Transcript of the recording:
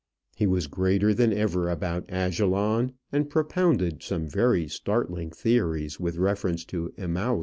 He was greater than ever about Ajalon, and propounded some very startling theories with reference to Emmaus.